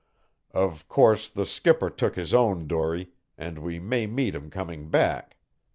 Of course, the skipper took his own dory, and we may meet him coming back.